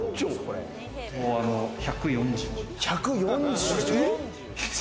１４０。